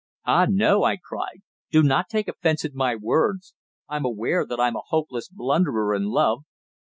"Ah! no," I cried. "Do not take offence at my words. I'm aware that I'm a hopeless blunderer in love.